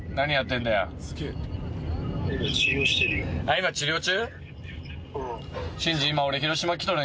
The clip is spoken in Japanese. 今治療中？